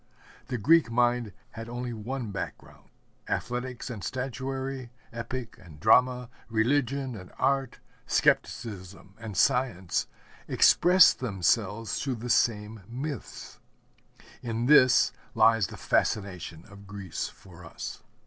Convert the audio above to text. The Greek mind had only one background. Athletics and Statuary, Epic and Drama, Religion and Art, Skepticism and Science expressed themselves through the same myths. In this lies the fascination of Greece for us.